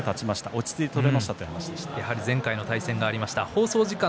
落ち着いて取れましたということです。